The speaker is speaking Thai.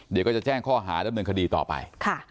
เดี๋ยวก็จะแจ้งข้อหาดำเนินคดีต่อไป